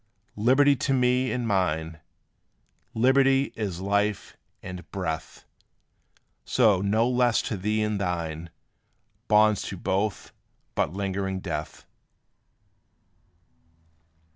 Liberty to me and mine Liberty is life and breath! So no less to thee and thine Bonds to both but lingering death.